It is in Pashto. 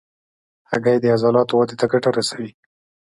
هګۍ د عضلاتو ودې ته ګټه رسوي.